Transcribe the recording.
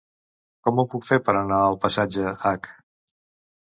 Com ho puc fer per anar al passatge H?